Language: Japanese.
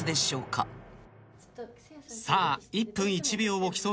さあ１分１秒を競う戦い。